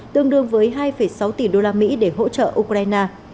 tương đương với hai sáu tỷ usd để hỗ trợ ukraine